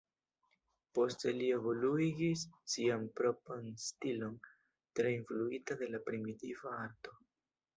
Poste li evoluigis sian propran stilon, tre influita de la primitiva arto.